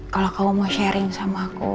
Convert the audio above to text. kalau kamu ingin berbagi dengan saya